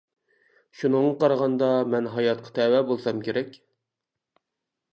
شۇنىڭغا قارىغاندا مەن ھاياتقا تەۋە بولسام كېرەك.